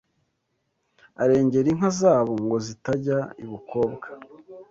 Arengera inka zabo Ngo zitajya i Bukobwa